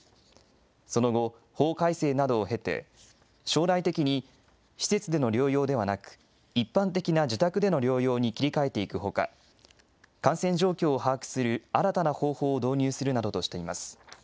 その後、法改正などを経て、将来的に施設での療養ではなく、一般的な自宅での療養に切り替えていくほか、感染状況を把握する新たな方法を導入するなどとしています。